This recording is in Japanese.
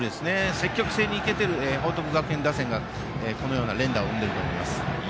積極的に行けている報徳学園打線がこのような連打を産めていると思います。